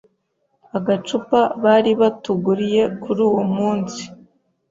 agacupa bari batuguriye kuri uwo munsi